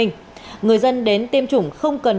người dân đến tiêm chủng không cần